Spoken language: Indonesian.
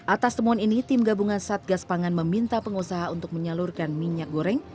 atas temuan ini tim gabungan satgas pangan meminta pengusaha untuk menyalurkan minyak goreng